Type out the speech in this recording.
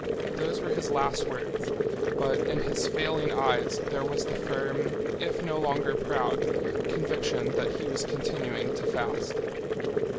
Those were his last words, but in his failing eyes there was the firm, if no longer proud, conviction that he was continuing to fast.